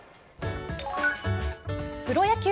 プロ野球